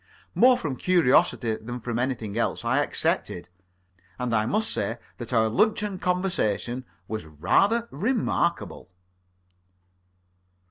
More from curiosity than from anything else, I accepted. And I must say that our luncheon conversation was rather remarkable.